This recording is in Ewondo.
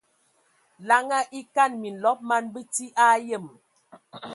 Laŋa e kan minlɔb man bəti a yəm.